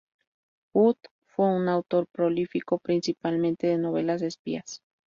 Hunt fue un autor prolífico, principalmente de novelas de espías.